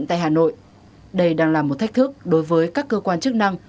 tại hà nội đây đang là một thách thức đối với các cơ quan chức năng